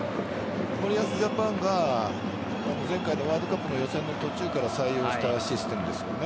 森保ジャパンが前回のワールドカップの予選の途中から採用したシステムですよね。